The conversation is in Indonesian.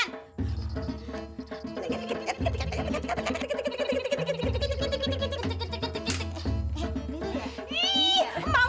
ketuk ketuk ketuk ketuk